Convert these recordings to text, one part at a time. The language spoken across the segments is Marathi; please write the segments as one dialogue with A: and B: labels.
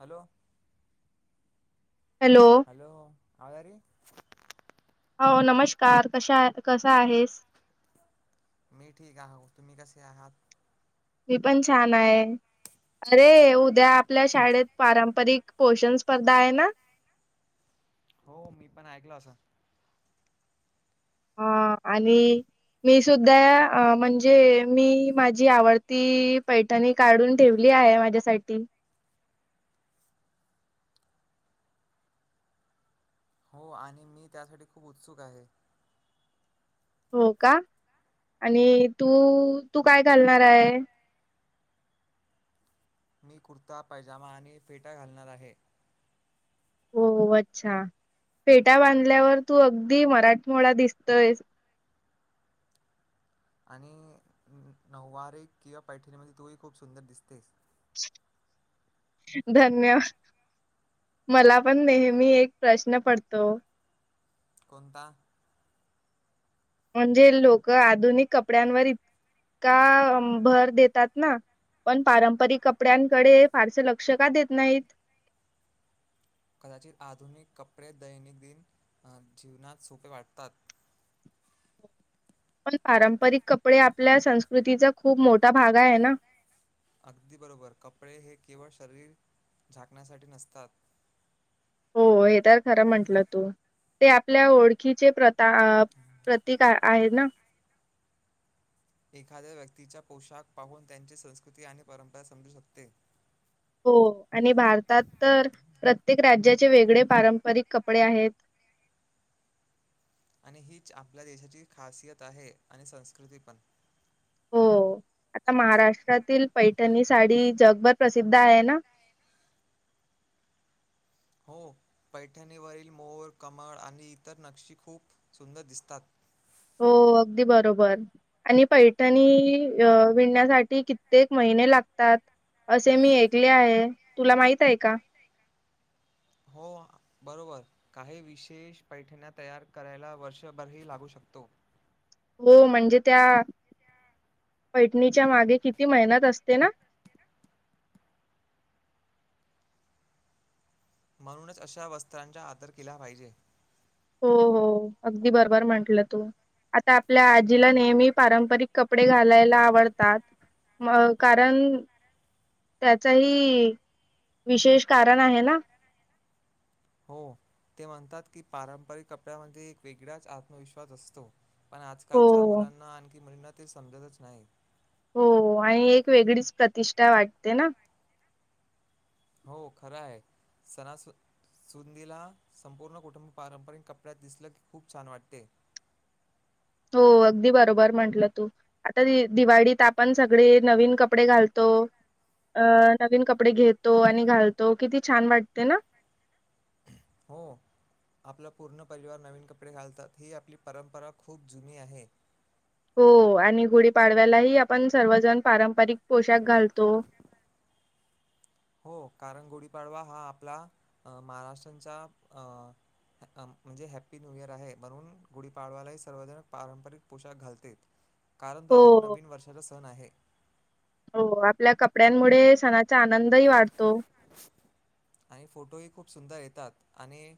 A: हॅलो
B: हॅलो
A: हॅलो [unintelligible]
B: हो नमस्कार कशा आहत कसा आहेस.
A: मी ठीक आहों तुम्ही कसे आहात?
B: मी पण छानाय अरे उद्या आपल्या शाळेत पारंपरिक पोषण स्पर्धा आहे ना?
A: हो मी पण ऐकल असं
B: हो आणि मी सुद्धा म्हणजे मी माझी आवडती पैठ ठणी काढून ठेवली आहे माझ्या साठी
A: हो आणि मी त्यासाठी खूप उत्सुक आहे.
B: हो का आणि तू तू काय घालणाराय?
A: मी कुर्ता, पैजामा आणि फेटा घालणार आहे.
B: हो हो अच्छा फेटा बांधल्यावर तू अगदी मराठमोळा दिसतोयस.
A: आणि नऊवारी किंवा पैठणीमध्ये तूही खूप सुंदर दिसतेस.
B: धन्य मला पण नेहमी एक प्रश्न पडतो.
A: कोणता?
B: म्हणजे लोक आधुनिक कपड्यांवर इतका भर देतात. ना पण पारंपरिक कपड्यांकडे फारसे लक्ष का देत नाइत?
A: कदाचित आधुनिक कपडे दैनंदिन अ जीवनात सोपे वाटतात.
B: पण पारंपरिक कपडे आपल्या संस्कृतीचा खूप मोठा भाग आहे ना.
A: अगदी बरोबर कपडे हे केवळ शरीर झाकण्यासाठी नसतात.
B: हो हे तर खरं म्हंटलं तू ते आपल्या ओळखीचे प्रताप प्रतीक आहे ना.
A: एखाद्या व्यक्तीचा पोशाख पाहून त्यांची संस्कृती आणि परंपरा समजू शकते.
B: हो आणि भारतात तर प्रत्येक राज्याचे वेगळे पारंपरिक कपडे आहेत.
A: आणि हीच आपल्या देशाची खासियत आहे आणि संस्कृती पण
B: हो आता महाराष्ट्रातील पैठणी साडी जगभर प्रसिद्ध आहे ना.
A: हो पैठणीवरील मोर, कमळ आणि इतर नक्षी खूप सुंदर दिसतात.
B: हो अगदी बरोबर आणि पैठणी अ विन्यासाठी कित्येक महिने लागतात. असे मी ऐकले आहे तुला माहित आहे का?
A: हो बरोबर. काही विशेष पैठण्या तयार करायला वर्षभरही लागू शकतो.
B: हो म्हणजे त्या पैठणीच्या मागे किती मेहनत असते ना.
A: म्हणूनच अशा वस्त्रांचा आदर केला पाहिजे.
B: हो हो अगदी बरोबर म्हटलं तू. आता आपल्या आजीला नेहमी पारंपरिक कपडे घालायला आवडतात. म कारण त्याचही विशेष कारण आहे ना.
A: हो ते म्हणतात की पारंपरिक कपड्यामध्ये एक वेगळाच आत्मविश्वास असतो. पण आजकालच्या मुलांना आणखी मुलींना ते समजतच नाहीत.
B: हो आणि एक वेगळीच प्रतिष्ठा वाटते ना.
A: हो खराय सणाच सुंदीला संपूर्ण कुटुंब पारंपरिक कपड्यात दिसलं की खूप छान वाटते.
B: हो अगदी बरोबर म्हंटलं तू आता दि-दिवाळीत आपण सगळे नवीन कप पडे घालतो, अ नवीन कपडे घेतो आणि घालतो, किती छान वाटत ना.
A: हो आपला पूर्ण परिवार नवीन कपडे घालतात, ही आपली परंपरा खूप जुनी आहे.
B: हो आणि गुढीपाडव्यालाही आपण सर्वजण पारंपरिक पोशाख घालतो.
A: हो कारण गुढीपाडवा हा आपला अ महाराष्ट्रांचा अ हॅ म्हणजे हॅप्पी न्यू इयर आहे म्हणून गुढीपाडवालाही सर्वजणक पारंपरिक पोशाख घालते. कारण तो आपल्या नवीन वर्षाचा सण आहे.
B: हो आपल्या कपड्यांमुडे सणाचा आनंदही वाढतो.
A: आणि फोटोही खूप सुंदर येतात आणि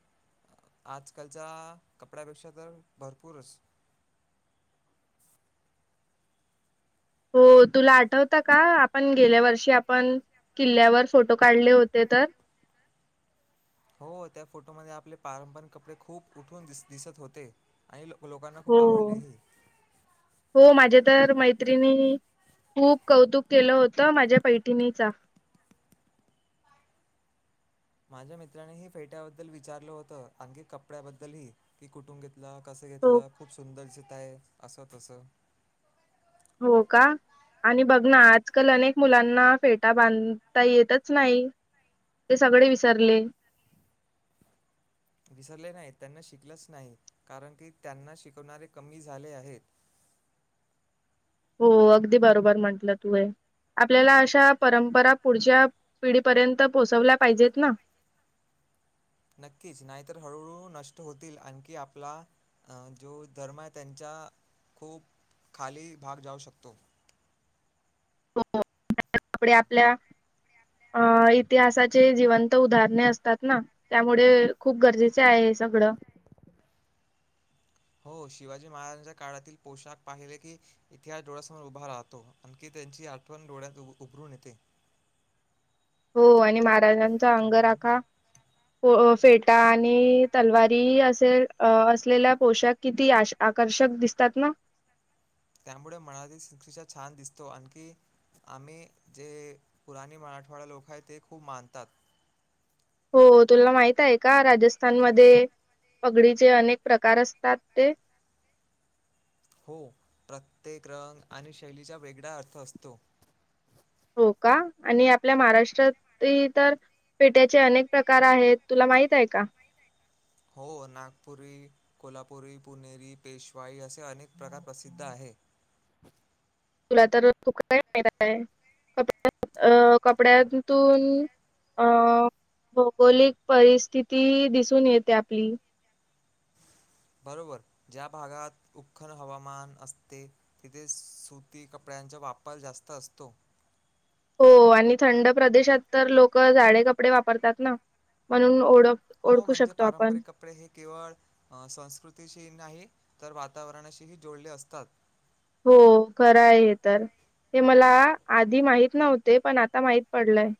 A: आजकालच्या कपड्यापेक्षा तर भरपूरच.
B: हो तुला आठवत का, आपण गेल्या वर्षी आपण. किल्ल्यावर फोटो काढले होते तर.
A: हो त्या फोटोमध्ये आपले पारंपरिक कपडे खूप उठून दिस दिसत होते आणि लो-लोकांना खूप आवडलेहे.
B: हो माझे तर मैत्रिणी. खूप कौतुक केलं होतं माझ्या पैठिणीचा.
A: माझ्या मित्रानेही फेट्याबद्दल विचारलं होतं आणखी कपड्याबद्दलही की कुटुंन घेत ला कसं घेतलं खूप सुंदर दिसतय असं तसं
B: हो का? आणि बघ ना आजकाल अनेक मुलांना फेटा बांधता येतच नाही. ते सगळे विसरले.
A: विसरले नाहीत त्यांना शिकलंच नाही, कारण की त्यांना शिकवणारे कमी झाले आहेत.
B: हो अगदी बरोबर म्हंटलं तू हे आपल्याला अशा परंपरा पुढच्या पिढीपर्यंत पोहचवल्या पाहिजेत ना.
A: नक्कीच नाहीतर हळूहळू नष्ट होतील, आणखी आपला. अ जो धर्म आहे त्यांचा खूप खाली भाग जाऊ शकतो.
B: हो हो [unintelligible] कपडे आपल्या. आ इतिहासाचे जिवंत उदाहरणे असतात ना. त्यामुडे खूप गरजेच आहे सगडं.
A: हो शिवाजी महाराजांच्या काळातील पोशाख पाहिले की इतिहास डोळ्यासमोर उभा राहतो. आणखी त्यांची आठवण डोळ्यात उ-उभरून येते.
B: हो आणि महाराजांचा अंगराखा पो फेटा आणि तलवारी असेल, अ-असलेल्या पोशाख किती असे आकर्षक दिसतात ना?
A: त्यामुळे मनातील सुक्षिषा छान दिसतो आणखी आम्ही जे हे पुराणी मराठवाडा लोक आहे ते खूप मानतात.
B: हो तुला माहित आहे का? राजस्थानमध्ये पगडीचे अनेक प्रकार असतात ते.
A: हो प्रत्येक रंग आणि शैलीचा वेगडा अर्थ असतो.
B: हो का? आणि आपल्या महाराष्ट्रात इतर ते त्याचे अनेक प्रकार आहेत तुला माहित आहे का?
A: हों नागपुरी कोल्हापुरी, पुणेरी, पेशवाई असे अनेक प्रकार प्रसिद्ध आहे.
B: तुला तर तू काय [unintelligible] अ कपडयातून. अं भौगोलिक परिस्थिती दिसून येते आपली.
A: बरोबर ज्या भागात उखळ हवामान असते. तिथे सूती कपड्यांचा वापर जास्त असतो.
B: हो आणि थंड प्रदेशात तर लोक जाडे कपडे वापरतात ना. म्हणून ओढ-
A: हो, म्हणजे पारंपरिक कप पडे हे केवळ संस्कृतीशी नाही तर वातावरणाशीही जोडले असतात.
B: हो खर आहे हे तर. हे मला आधी माहत नव्हते. पण आता माहित पडलंय.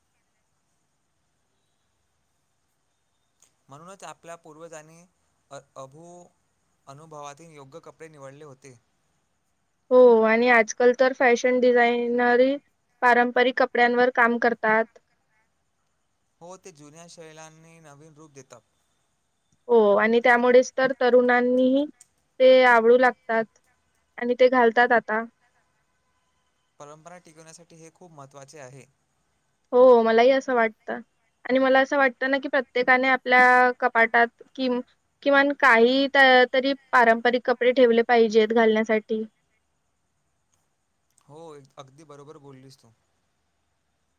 A: म्हणूनच आपल्या पूर्वजांनी अ अभू अनुभवातून योग्य कपडे निवडले होते.
B: हो. आणि आजकाल तर फॅशन डिझायनरही पारंपरिक कपड्यांवर काम करतात.
A: हो, ते जुन्या शैलांनी नवीन रूप देतात.
B: हो, आणि त्यामुळेच तर तरुणांनीही ते आवडू लागतात. आणि ते घालतात आता.
A: परंपरा टिकवण्यासाठी हे खूप महत्त्वाचे आहे.
B: हो, मलाही असं वाटतं. आणि मला असं वाटतं ना कि, प्रत्येकाने आपल्या कपाटात कि किमान काही त तरी पारंपरिक कपडे ठेवले पाहिजेत घालण्यासाठी.
A: होय. अगदी बरोबर बोललीस तू.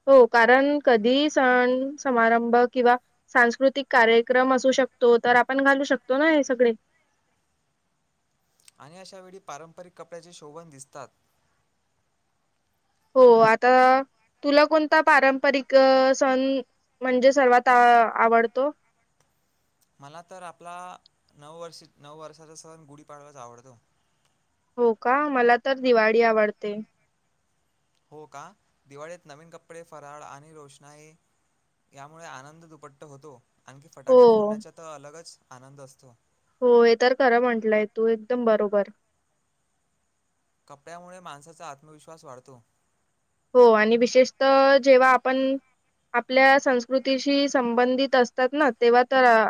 B: हो, कारण कधी सण समारंभ किंवा सांस्कृतिक कार्यक्रम असू शकतो, तर आपण घालू शकतो ना हे सगळे.
A: आणि अशा वेळी पारंपरिक कपड्याचे शोभन दिसतात.
B: हो. आता तुला कोणता पारंपरिक अं सण म्हणजे सर्वात आं आवडतो?
A: मला तर आपला नववर्षी नववर्षाचा सण गुढीपाडवाच आवडतो.
B: हो का? मला तर दिवाळी आवडते.
A: हो का? दिवाळीत नवीन कपडे, फराळ आणि रोषणाई यामुळे आनंद दुपट्ट होतो. आणखी फटाके फोडण्याचा तर अलगच आनंद असतो.
B: होय हे तर खरं म्हंटलंय तू. एकदम बरोबर!
A: कपड्यामुळे माणसाचा आत्मविश्वास वाढतो.
B: हो आणि विशेषतः जेव्हा आपण आपल्या संस्कृतीशी संबंधित असतात ना, तेव्हा तर आं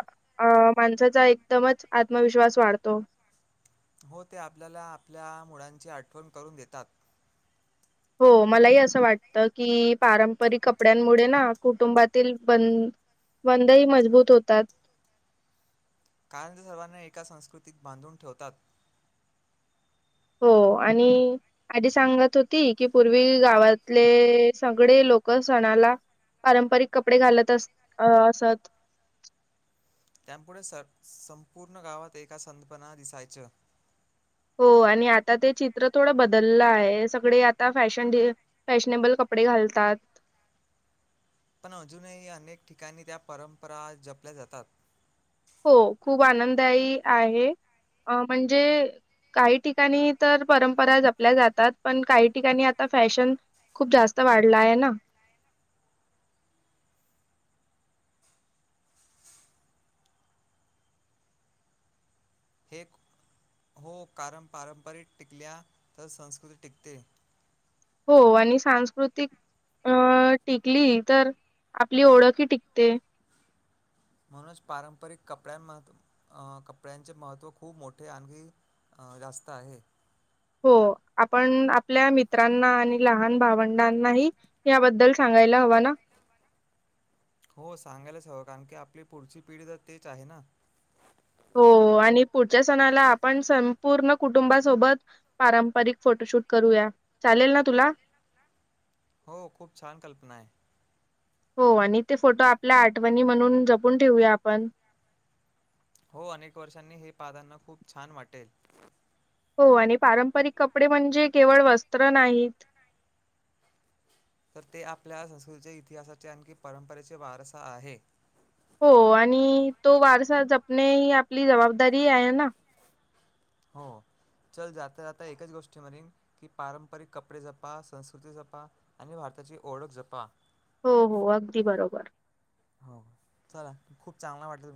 B: अं माणसाचा एकदमच आत्मविश्वास वाढतो.
A: हो ते आपल्याला, आपल्या मुळांची आठवण करून देतात.
B: हो. मलाही असं वाटतं की पारंपरिक कपड्यांमुळे ना कुटुंबातील बं बंदही मजबूत होतात.
A: कारण ते सर्वांना एका संस्कृतीत बांधून ठेवतात.
B: हो. आणि आजी सांगत होती की, पूर्वी गावातले सगळे लोक सणाला पारंपरिक कपडे घालत अस असत.
A: त्यापुढं स संपूर्ण गावात एका संधपना दिसायच.
B: हो. आणि आता ते चित्र थोडं बदललं आहे. सगळे आता फॅशन डी फॅशनेबल कपडे घालतात.
A: पण अजूनही अनेक ठिकाणी त्या परंपरा जपल्या जातात.
B: हो, खूप आनंददायी आहे. अं म्हणजे काही ठिकाणी तर परंपरा जपल्या जातात. पण काही ठिकाणी आता फॅशन खूप जास्त वाढला आहे ना.
A: हे, हो कारण पारंपरिक टिकल्या तर संस्कृती टिकते.
B: हो आणि सांस्कृतिक अ, टिकली तर, आपली ओळख ही टिकते.
A: म्हणूनच पारंपरिक कपड्यां मह, कपड्यांचे महत्त्व खूप मोठे आणखी अ, जास्त आहे.
B: हो, आपण आपल्या मित्रांना आणि लहान भावंडांनाही याबद्दल सांगायला हव ना.
A: हो सांगायलाच हवं, कारण की आपली पुढची पिढी तर तेच आहे ना.
B: हो आणि पुढच्या सणाला आपण संपूर्ण कुटुंबासोबत पारंपरिक फोटोशूट करूया, चालेल ना तुला?
A: हो, खूप छान कल्पना आहे.
B: हो आणि ते फोटो आपल्या आठवणी म्हणून जपून ठेवूया आपण.
A: हो, अनेक वर्षांनी हे पादांना खूप छान वाटेल.
B: हो आणि पारंपरिक कपडे म्हणजे केवळ वस्त्र नाहीत.
A: तर ते आपल्या संस्कृतीच्या इतिहासाचे आणखी परंपरेचे वारसा आहे.
B: हो आणि तो वारसा जपणे ही आपली जबाबदारी आहे ना.
A: हो चल जाता, जाता एकच गोष्टी म्हणीन की पारंपरिक कपडे जपा, संस्कृती जपा आणि भारताची ओळख जपा.
B: हो, हो अगदी बरोबर.
A: हो, चला खूप चांगला वाटलं